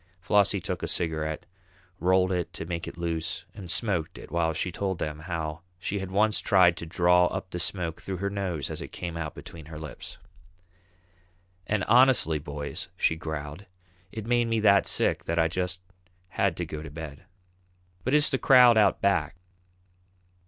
Flossie took a cigarette, rolled it to make it loose, and smoked it while she told them how she had once tried to draw up the smoke through her nose as it came out between her lips. "And honestly, boys," she growled, "it made me that sick that I just had to go to bed." "Who is the crowd out back?"